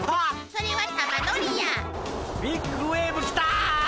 それは玉乗りや！ビッグウエーブ来た！